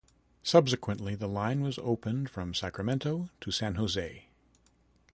Subsequently the line was opened from Sacramento to San Jose.